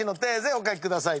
お描きください。